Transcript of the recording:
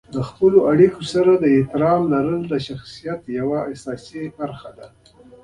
د خپلې اړیکو سره د احترام لرل د شخصیت یوه اساسي برخه ده.